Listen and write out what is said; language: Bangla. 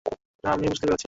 না, আমি বুঝতে পেরেছি।